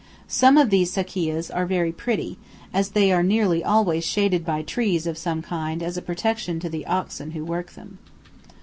Some of these "sakias" are very pretty, as they are nearly always shaded by trees of some kind as a protection to the oxen who work them.